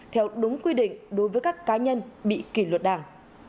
theo đúng quy định đối với các cá nhân bị kỷ luật đảng